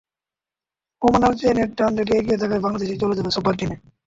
ওমানের চেয়ে net run রেটে এগিয়ে থাকায় বাংলাদেশই চলে যাবে সুপার টেনে।